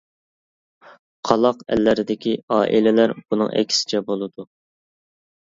قالاق ئەللەردىكى ئائىلىلەر بۇنىڭ ئەكسىچە بولىدۇ.